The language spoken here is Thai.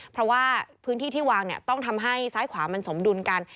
เพราะว่าพื้นที่ที่วางต้องทำให้ซ้ายขวามันสมดุลกัน